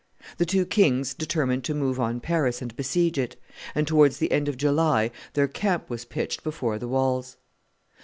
The two kings determined to move on Paris and besiege it; and towards the end of July their camp was pitched before the walls.